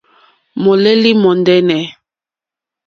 Mùlêlì mùndɛ́nɛ̀.